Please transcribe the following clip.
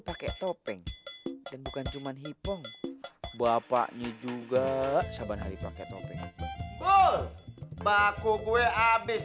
pakai topeng dan bukan cuman hipong bapaknya juga sabar hari pakai topeng gol baku gue abis